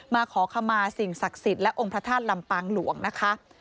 มาขอขมาสิ่งศักดิ์สิทธิ์และองค์พระธาตุลำปางหลวงนะคะ